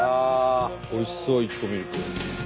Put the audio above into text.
おいしそういちごミルク。